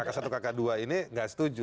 kakak satu kakak dua ini nggak setuju